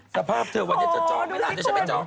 สภาพเธอวันนี้จะจอดไม่หลากจะใช้เป็นจอด